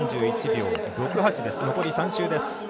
３１秒６８です。